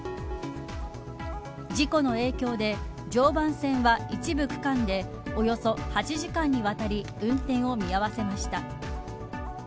事故の影響で常磐線は一部区間でおよそ８時間にわたり運転を見合わせました。